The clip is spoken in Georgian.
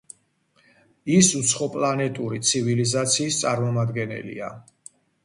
ის უცხოპლანეტური ცივილიზაციის წარმომადგენელია.